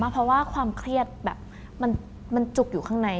เพราะว่าความเครียดแบบมันจุกอยู่ข้างใน